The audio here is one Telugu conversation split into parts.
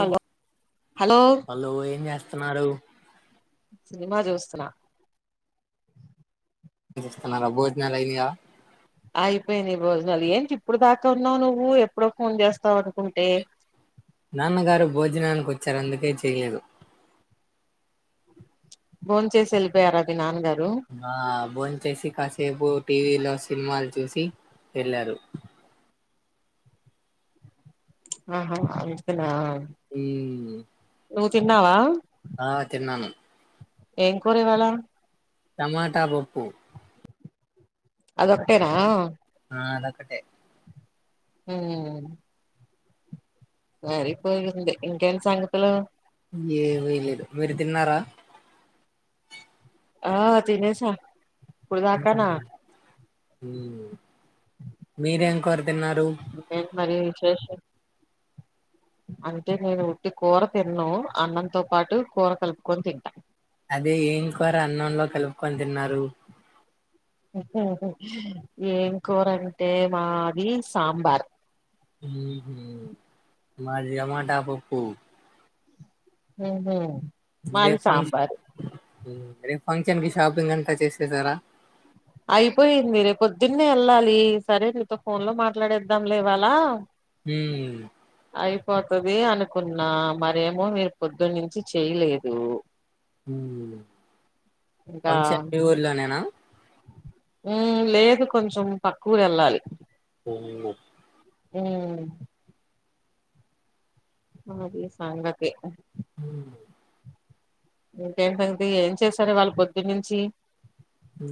హలో హలో హలో ఏం జాస్ స్తున్నాడు సినిమా చూస్తున్నా పిలుస్తున్నారా భోజనాలు అయియా అయిపోయినాయి భోజనాలు, ఏంటి ఇప్పుడు దాకా ఉన్నావు నువ్వు, ఎప్పుడో ఫోన్ చేస్తావ్ అనుకుంటే. నాన్నగారు భోజనానికిొచ్చారు అందుకే చేయలేదు బోన్ చేసి వెళ్ళిపోయారు అది నాన్నగారు ఆ బోంచేసి కాసేపు టీవీలో సినిమాలు చూసి వెళ్ళారు. ఆహా అంట నా హ్మ్ తిన్నావా ఆ తిన్నాను ఏం కూర ఇవాళ్ళ టమాటా పప్పు అదొక్కటేనా ఆ అదొక్కటే హ్మ్ వెల్పోయింది ఇంకేటి సంగతులు ఏంవి లేదు మీరు తిన్నారా ఆ తినేసాం ఇప్పుడుదకనా హ్మ్ మీరేం కూర దిన్నారు ఇంకేంటి [unintelligible] అంటే నేను ఉట్టి కూర తిన్ను అన్నంతో పాటు కూర కలుపుకొని తింటా. అదే ఏం కూర అన్నంలో కలుపుకొని తిన్నారు ఏం కూరంటే మాది సాంబార్ హు హ్మ్ మాది టమాటా పప్పూ హహ ఏ ఫంక్షన్ ఫంక్షన్ కి షాపింగ్ అంతా చేసేసారా అయిపోయింది రే పొద్దున్నే వెళ్ళాలి సరే నీతో ఫోన్ లో మాట్లాడేద్దాం లేవలా మ్ అయిపోతుది అనుకున్నా మరేమో మీరు పొద్దున్న నుంచి చేయలేదు ఫంక్ష ఊర్లోనేనా ఉ లేదు కొంచెం పకువరు వెళ్ళాలి మ్ అద సంగతి హ ఇంకేంటండి ఏం చేసారు వాళ్ళ పొద్దు నుంచి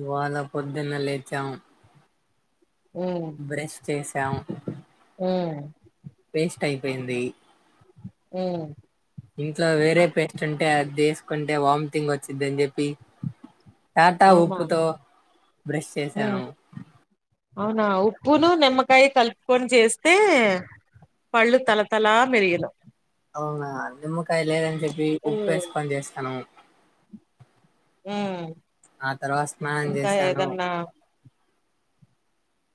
వాళ పొద్దున్న లేచాము ఉమ్ బ్రష్ చేసాం ఉమ్ పేస్ట్ అయిపోయింది హ్ ఇంట్లో వేరే పేస్ట్ ఉంటే అది తీసుకుంటే వామ్తింగ్ వచ్చిందని చెప్పి టాటా అవునా ఉప్పుతో బ్రష్ ఉమ్ చేశాను. అవునా ఉప్పును నిమ్మకాయ కలుపుకొని చేస్తే పళ్ళు తలతల మెరియును అవునా నిమ్మకాయ లేద్ అని చెప్పి ఉప్పు ఉమ్ వేస్కుని చేస్తాను హ్మ్ ఆ తర్వాత స్నానం చేశాను.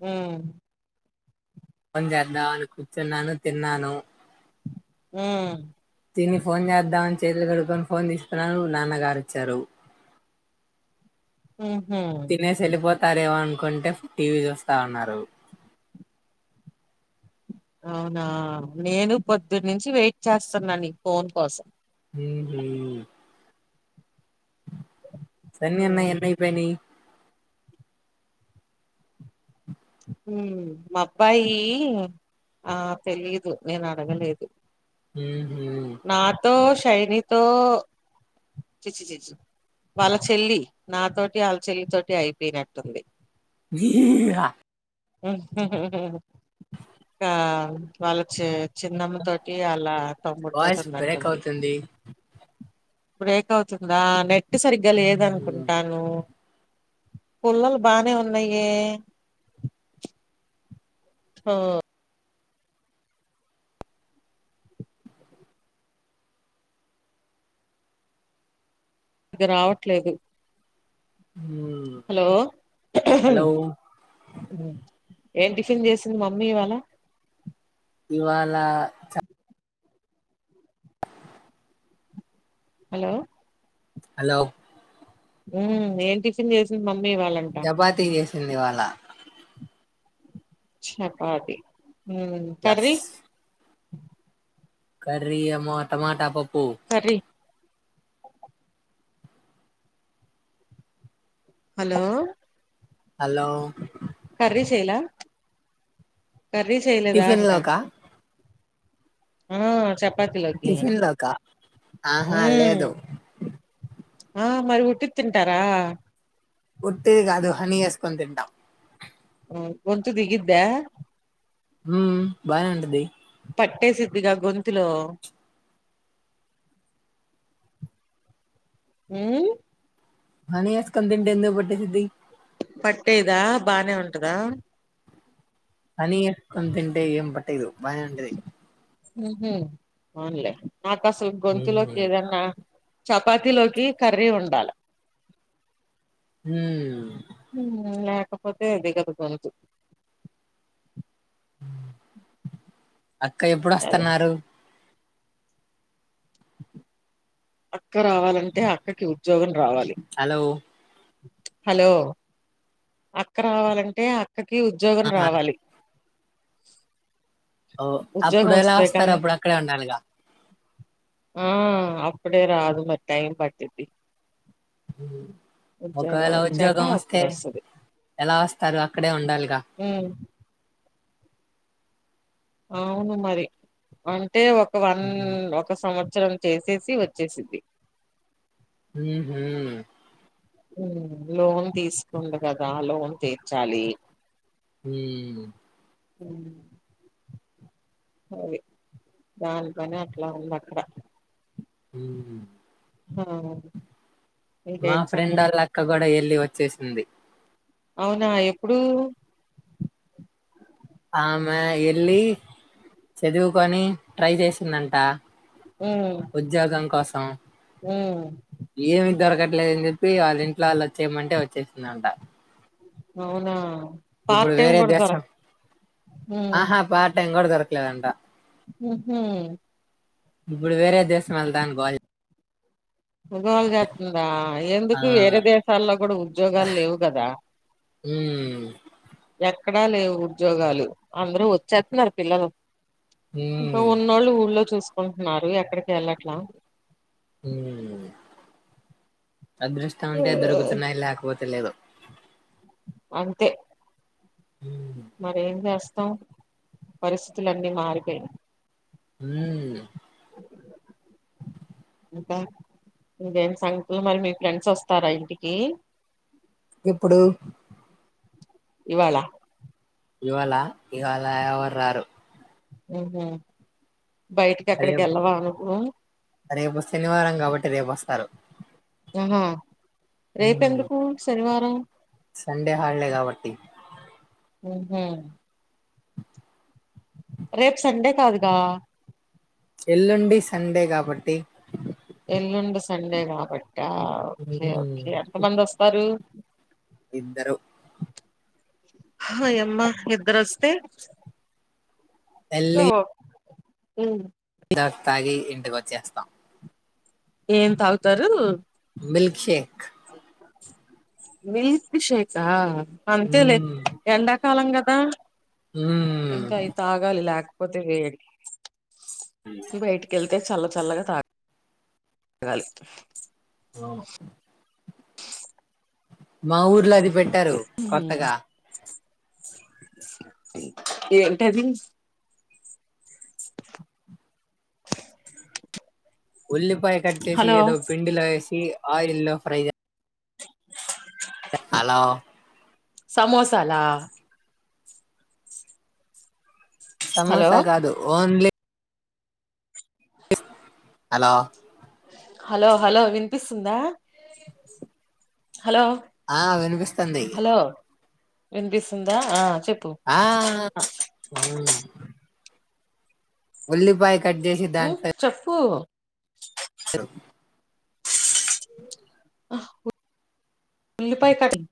మ్ పని చేద్దాం అని కూర్చున్నాను తిన్నాను. హ్మ్ తిని ఫోన్ చేద్దామని చేతులు కడుకొని ఫోన్ తీస్తున్నాను నాన్నగారు వచ్చారు ఉహు తినేసి వెళ్ళపోతారేమో అనుకుంటే టీవీ చూస్తా ఉన్నారు. అవునా నేను పొద్దున్నుంచి వెయిట్ చేస్తున్నాను నీ ఫోన్ కోసం హ్ మ్ సన్నీ అన్నయి ఉమ్ ఎన్ని అయిపోయినయి హ్ మా అబ్బాయి ఆ తెలీదు నేను అడగలేదు. హ్ నాతో టైనితో చిచి చిచి వాళ్ళ చెల్లి నాతోటి వాళ్ళ చెల్లి తోటి అయిపోయినట్టుంది. [inaudible] వాళ్ళ చే చిన్నమ్మ తోటి అల్లా తమ్ముడు వాయిస్ బ్రేక్ అవుతుంది. బ్రేక్ అవుతుందా నెట్ నెట్ సరిగ్గా లేదనుకుంటాను. పుల్లలు బానే ఉన్నాయే హ ఇగ రావట్లేదు. ఉమ్ హలో! హలో ఏం టిఫిన్ చేసింది మమ్మీ ఇవాళ ఇవాళ చ హలో హలో ఉ ఏం టిఫిన్ చేసింది మమ్ మివాళ్ళంట సింది ఇవాళ చపాతి ఉం యస్ కర్రీ? కర్రీ ఏమో టమాటా పప్ కర్రీ హలో హలో కర్రీ చైల కర్రీ చేయలేదా టిఫిన్ అంటా లోకా ఆ చెప్ టిఫిన్ లోకా ఆహా మ్మ్ లేదు ఆ మరి ఉట్టిద్ తింటారా హని ఏస్కొని తింటా ఉ గొంతు దిగిద్దా? హు బానె ఉంటది. పట్టేసిద్దిగా గొంతులో ఊ హనీ ఏస్కొని తింటె ఎందుకు పట్టేసిద్ది పట్టేదా బానే ఉంటదా? హానీ ఏస్కొని తింటే ఏం పట్టేదు బానె ఉంటది ఉహు పోన్లే నాకు అసలు గొంతులోకి ఏదన్నా చపాతిలోకి కర్రీ ఉండాల ఉమ్ హుమ్య ఒకపోతే దిగదు గొంతు ఉ అక్క అదే ఎప్పుడోస్తన్నారు? అక్క రావాలంటే అక్కకి ఉద్యోగం రావాలి. హలో హలో అక్క రావాలంటే అ అక్కకి ఉద్యోగం ఆహా. రావాలి. ఓ అప్పుడు ఉద్యోగం ఎలా వస్తే వస్తారు కానీ అప్పుడు అక్కడే ఉండాలిగా ఆ అప్పుడే రాదు మరి టైం పట్దిద్ది. ఒకవేళ వచ్చాక ఉద్యోగం వస్తే, అప్పుడు వస్తది ఎలా వస్తారు అక్కడే ఉండాలిగా. ఉమ్ అవును మరి అంటే ఒక వన్న్ ఒక సంవత్ త్సరం చేసేసి వచ్చేసిద్ది. ఊహూ. ఉమ్ లోన్ తీసుకుంది కదా లోన్ తీర్చాలీ. హ్మ అది. దాని పని అట్లా ఉంది అక్కడ. హ్మ ఆ మా ఇంకేం సంగతి ఫ్రెండోళ్ల అక్క గూడ ఎల్లీ వచ్ చేసింది. అవునా ఎప్పుడూ. ఆమే ఎళ్ళీ చదువుకొనీ ట్రై చేసిందంటా. ఉద్యోగం కోస్ అ హ్మ దొరకట్లేదని చెప్పీ వాళ్ళ ఇంట్లో వాళ్ళు వచ్చేయమంటే వచ్చేసిందంట. అవునా. పార్ట్ ఇప్పుడు టైం వేరే కూడా దేశం. దొరక ఆహా పార్ట్ టైమ్ కూడా దొరకలేదు అంటా. ఊహూ ఇప్పుడు వేరే దేశం వెళ్తా అని గోల గోల జేత్తుందా. ఆ, ఎందుకు వేరే దేశాల్లో కూడా ఉద్యోగాలు లేవు గదా. హ్మ్ ఎక్ ఎక్కడా లేవు ఉద్యోగాలు అందరూ వచ్చేత్తున్నారు పిల్లలు. ఇంకా హ్మ్ ఉన్నోళ్ళు ఊళ్ళో చూస్ కుంటున్నారు ఎక్కడికి ఎళ్ళట్లా. హ్మ్ అదృష్టం ఉంటే దొరుకుతున్నాయి లేకపోత్ తే. లేదు అంతే మరేం చేస్ తం. పరిస్థితులన్నీ మారిపోనయి. హ్మ్ ఇంకా, ఇంకేం సంగతులు మరి మీ ఫ్రెండ్స్ వస్తారా ఇంటికీ. ఎప్పుడు ఇవాళ ఇవాళా, ఇవాళా ఎవర్ రారు. ఊహూ బయటికి రేపు ఎక్కడికిళ్ళవాను రేపు శనివారం కాబట్టి రేపుొస్తారు ఆహా రేపుెందుకు శనివారం టి [unintelligible] రేపు సండే కాదుగా ఎల్ండి సండే కాబట్టి సండేగాబ ఓకే హ్మ్ ఓకే ఎంత మంది వస్తారు ఇద్దరుూ హో అమ్మ ఇద్దరోస్తే కువొ ఉం ఇదాక్ తాగి ఇంటికొచ్చేస్తాం ఏం తాగుతారు బిల్క్ షే మిల్క్ షేక్ ఆ అంతే లే హ్మ్ ఎండాకాలంగా ఆ హ్మ్ ఇంకా అయి తాగాలి లాక్ పోతే వేడి బయటికెళ్తే చల్ల చల్లగా తాగ్ గాలి అవును మా ఊర్లో అది పెట్టారు హ్మ్. కొత్తగా ఏంటది ఉల్లిపాయ కట్ చేసి హలో ఇడో పిండిలో ఎసి ఆయిల్ లో ఫ్రై చెస్ హలో సమోసాలా హలో సమోసా కాదు ఓన్లీ హలో హలో హలో విన్పిస్తుందా ఆ వినిపిస్తుంది విన్పిస్తుందా ఆ చెప్పు ఆ అ ఉల్లిపాయ కట్ చేసి ఉ దాంట్లో చొప్పు ఉల్లిపాయ కారం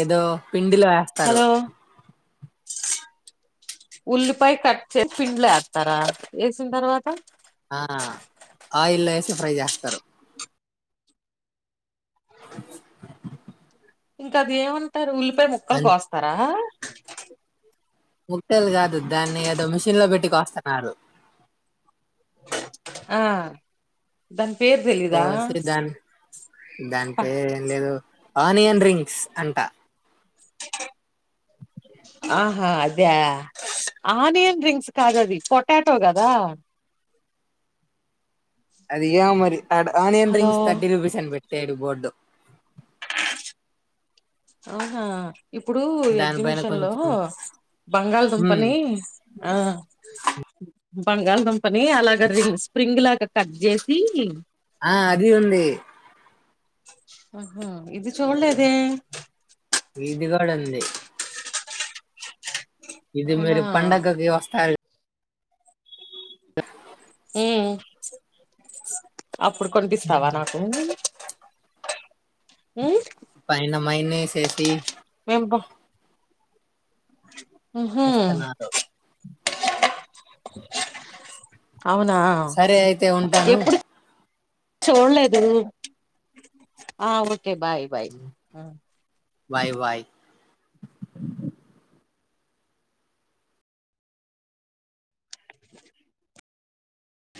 ఏదో పిండిలో యాస్తరు ఉల్లిపాయ కట్ చేసి పిండ్లో యత్తర వేసిన తర్వాత ఆ ఆయిల్ ఎసి ఫ్రై చేస్తరు ఇంకా అది ఏమంటారు ఉల్లి ముప్పై ముక్కలు అం కోస్తరా ముతలు కాదు దాన్ని ఏదో మిషన్ లో పెట్టి కోస్తన్నారు ఆ దన్ కోసిరీ దాన్ దాని పేరు ఏం లేదు ఆనియన్ డ్రింక్స్ అంట ఆహా అద ఆనియన్ డ్రింక్స్కి కాదది పొటాటో గదా అదిగా మరి onion hello rings thirty rupees అని పెట్టాడు బోర్డు అవునా ఇప్పుడు దానిపైన ఎగ్జిబిషన్ లో కొంచెం ఉమ్ బంగాళదుంపని ఆ బంగాల్ దుంప్ పని అలాగ రింగ్ స్ప్రింగ్ లాగా కట్ జేసి ఆ అది ఉంది ఉహు ఇది చూలే దే ఇది గూడా ఉంది ఇది అవునా మరి పండగకి వస్తాది మ్మ్ అప్పుడు కొనిపిస్తావా నాకు పైన మైనస్ ఏసి మేము బ ఊహు ఇస్తున్నారు సరే అయితే ఉంటాను చూళ్ళేదు ఆ ఓ ఓకే బాయ్ బాయ్ మ్మ్ బాయ్ బాయ్